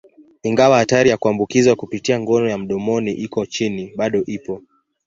Ingawa hatari ya kuambukizwa kupitia ngono ya mdomoni iko chini, bado ipo.